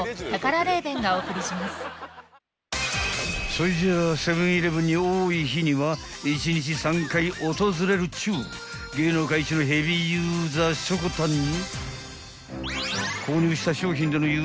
［そいじゃあセブン−イレブンに多い日には１日３回訪れるっちゅう芸能界一のヘビーユーザーしょこたんに］